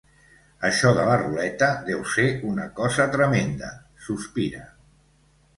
Això de la ruleta deu ser una cosa tremenda —sospira—.